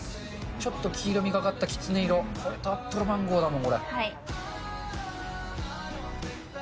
ちょっと黄色みがかったきつね色、これとアップルマンゴーだもん。